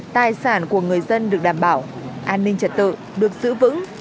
tài sản của người dân được đảm bảo an ninh trật tự được giữ vững